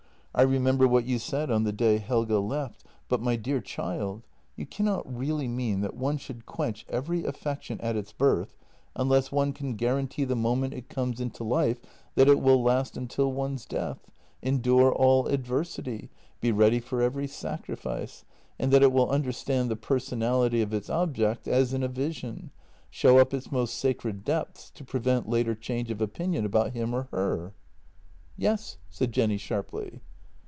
I remember what you said on the day Helge JENNY 185 left, but, my dear child, you cannot really mean that one should quench every affection at its birth unless one can guarantee the moment it comes into life that it will last until one's death, endure all adversity, be ready for every sacrifice, and that it will understand the personality of its object as in a vision, show up its most sacred depths to prevent later change of opinion about him or her." " Yes," said Jenny sharply.